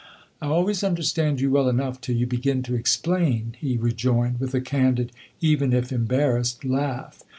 "I always understand you well enough till you begin to explain," he rejoined, with a candid, even if embarrassed, laugh.